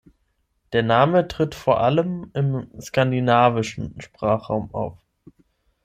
Der Name tritt vor allem im skandinavischen Sprachraum auf.